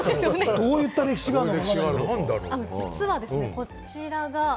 どういった歴史があるのか。